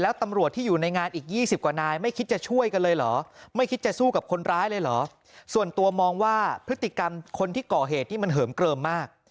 ว่าพฤติกรรมคนที่เกาะเหตุนี่มันเหิมเกลิมมาก